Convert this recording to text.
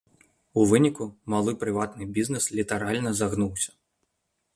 У выніку малы прыватны бізнес літаральна загнуўся.